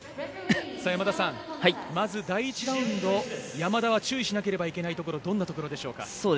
山田さん、まず第１ラウンド山田は注意しなければいけないところどんなところでしょうか。